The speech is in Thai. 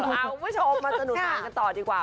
เอาคุณผู้ชมมาจะหนุนการกันต่อดีกว่า